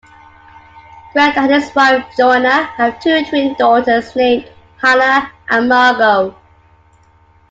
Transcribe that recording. Grant and his wife Joanna have two twin daughters named Hannah and Margo.